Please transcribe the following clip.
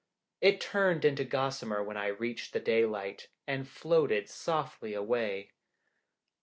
It turned into gossamer when I reached the daylight, and floated softly away.